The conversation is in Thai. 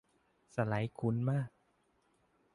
สไลด์คุ้นมาก